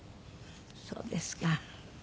そうですか。